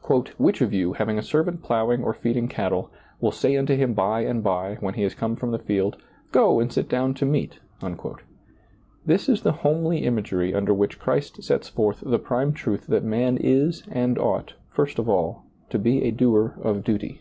" Which of you, hav ing a servant plowing or feeding cattle, will say unto him by and by, when he is come from the field. Go and sit down to meat ?" This is the homely imagery under which Christ sets forth the prime truth that man is and ought, first of all, to be a doer of duty.